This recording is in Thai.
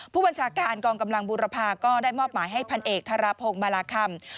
ผู้บัญชาการกองกำลังบูรพาก็ได้มอบหมายให้พันเอกธรพงศ์มาลาคำ